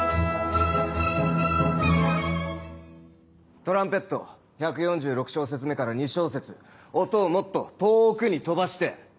トランペット１４６小節目から２小節音をもっと遠くに飛ばして。